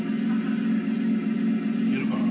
「いけるかな？」